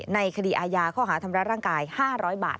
ในคดีอาญาข้อหาทำร้ายร่างกาย๕๐๐บาท